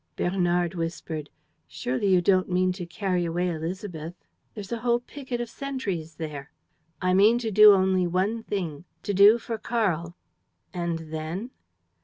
Bernard whispered: "Surely you don't mean to carry away Élisabeth? There's a whole picket of sentries there." "I mean to do only one thing, to do for Karl." "And then?"